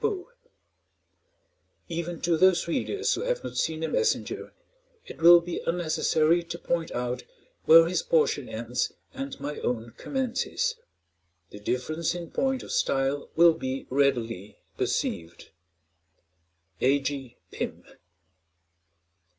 Even to those readers who have not seen the "Messenger," it will be unnecessary to point out where his portion ends and my own commences; the difference in point of style will be readily perceived. A. G. PYM.